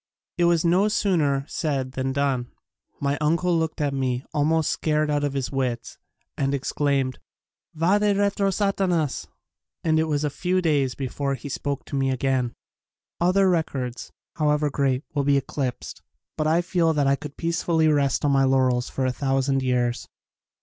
It was no sooner said than done. My uncle looked at me almost scared out of his wits and ex claimed "Fade retro Satanas!" and it was a few days before he spoke to me again. Other records, however great, will be eclipsed but I feel that I could peacefully rest on my laurels for a thousand years.